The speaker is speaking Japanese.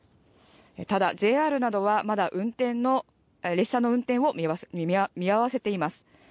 ただＪＲなどはまだ列車の運転を見合わせています。